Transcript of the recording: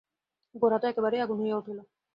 গোরা তো একেবারে আগুন হইয়া উঠিল।